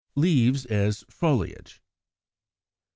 LEAVES AS FOLIAGE. 121.